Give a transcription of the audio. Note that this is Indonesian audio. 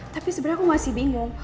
tapi sebenarnya aku masih bingung